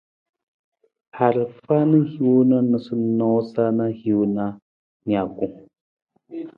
Arafa na hin noosanoosa na hiwung na nijakung.